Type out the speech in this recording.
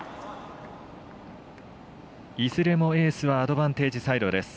いずれもエースはアドバンテージサイド。